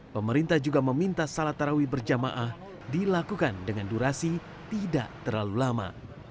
pemerintah juga meminta salat tarawih berjamaah dilakukan dengan durasi tidak terlalu lama